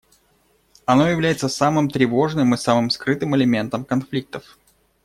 Оно является самым тревожным и самым скрытым элементом конфликтов.